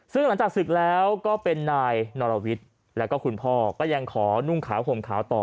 ซึ่งหลังจากศึกแล้วก็เป็นนายนรวิทย์แล้วก็คุณพ่อก็ยังขอนุ่งขาวห่มขาวต่อ